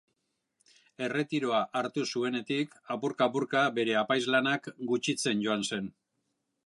Erretiroa hartu zuenetik, apurka-apurka bere apaiz lanak gutxitzen joan zen.